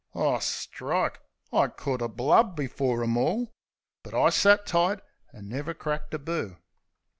O, strike ! I could 'a' blubbed before 'em all ! But I sat tight, an' never cracked a boo.